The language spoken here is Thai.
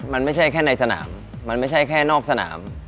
มันไม่ใช่แค่ในสนามมันไม่ใช่แค่นอกสนาม